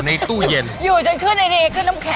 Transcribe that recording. น่าเป็นกุญแจกุญแจ